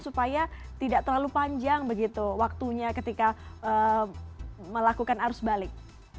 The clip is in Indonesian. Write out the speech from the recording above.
karena tidak terlalu panjang waktunya ketika melakukan arus balik